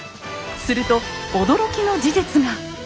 すると驚きの事実が。